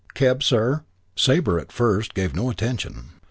Keb, sir?" Sabre at first gave no attention.